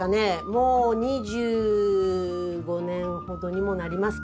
もう２５年ほどにもなります。